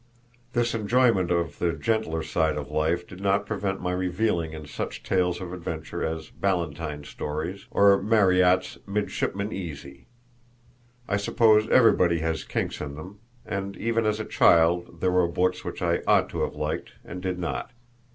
This enjoyment of the gentler side of life did not prevent my reveling in such tales of adventure as Ballantyne's stories, or Marryat's "Midshipman Easy." I suppose everybody has kinks in him, and even as a child there were books which I ought to have liked and did not.